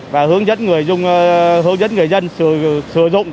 và hướng dẫn người dân sử dụng